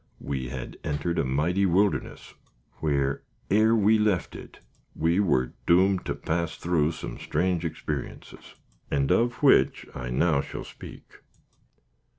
We had entered a mighty wilderness, where, ere we left it, we were doomed to pass through some strange experiences, and of which I now shall speak.